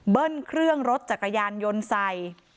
เบิ้ลเครื่องรถจักรยานยนต์ไส